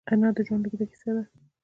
انا د ژوند اوږده کیسه ده